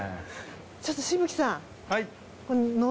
ちょっと渋木さん